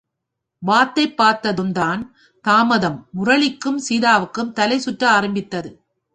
வாத்தைப் பார்த்ததுதான் தாமதம் முரளிக்கும் சீதாவுக்கும் தலை சுற்ற ஆரம்பித்தது!